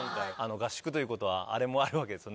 合宿ということは、あれもあるわけですね。